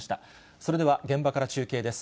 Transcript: それでは現場から中継です。